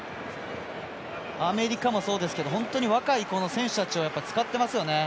アメリカもそうですけど若い選手たちを使ってますよね。